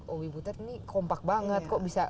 owi butet ini kompak banget kok bisa